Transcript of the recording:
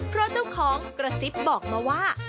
เพราะเจ้าของกระซิบบอกมาว่า